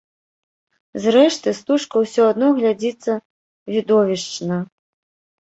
Зрэшты, стужка ўсё адно глядзіцца відовішчна.